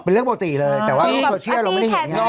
เป็นเรื่องปกติเลยแต่ว่าเราเชื่อเราไม่เห็นเนอะ